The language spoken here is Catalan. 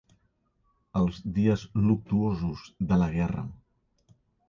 Els dies luctuosos de la guerra.